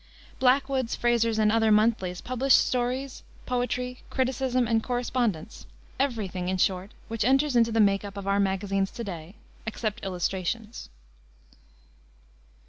Blackwood's, Fraser's, and the other monthlies, published stories, poetry, criticism, and correspondence every thing, in short, which enters into the make up of our magazines to day, except illustrations.